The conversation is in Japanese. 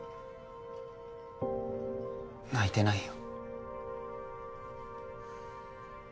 泣いてないよ